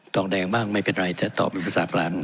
องแดงบ้างไม่เป็นไรแต่ตอบมีภาษากลาง